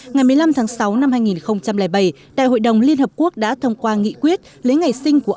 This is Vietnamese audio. ngày một mươi năm tháng sáu năm hai nghìn bảy đại hội đồng liên hợp quốc đã thông qua nghị quyết lấy ngày sinh của